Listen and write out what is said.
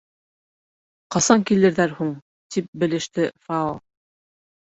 — Ҡасан килерҙәр һуң? — тип белеште Фао.